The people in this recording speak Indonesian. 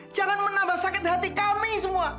jangan menambah sakit hati kami semua